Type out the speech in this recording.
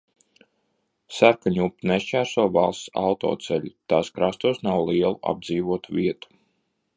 Sarkaņupi nešķērso valsts autoceļi, tās krastos nav lielu apdzīvoto vietu.